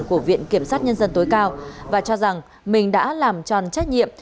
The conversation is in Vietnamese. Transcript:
của viện kiểm sát nhân dân tối cao và cho rằng mình đã làm tròn trách nhiệm